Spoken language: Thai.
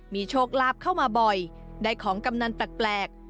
มีโชคลาภเข้ามาบ่อยได้ของกำนันแปลก